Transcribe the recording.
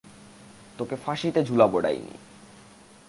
তোকে ফাঁসিতে ঝুলাবো, ডাইনী।